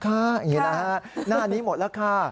อย่างนี้นะฮะหน้านี้หมดแล้วค่ะ